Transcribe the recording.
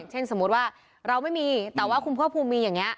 เช่นสมมุติว่าเราไม่มีแต่ว่าคุณพ่อภูมิมีอย่างนี้